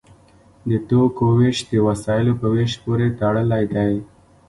د توکو ویش د وسایلو په ویش پورې تړلی دی.